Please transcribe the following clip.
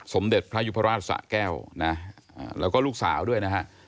สมเด็จพระยุพราชสะแก้วนะแล้วก็ลูกสาวด้วยนะฮะ